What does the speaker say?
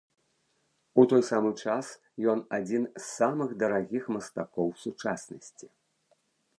У той самы час ён адзін з самых дарагіх мастакоў сучаснасці.